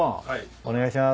お願いします。